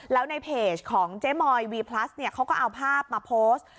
แล้วในเพจของเจ๊มอยวีพลัสเนี่ยเขาก็เอาภาพมาโพสต์